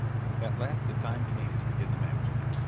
At last the time came to begin the match.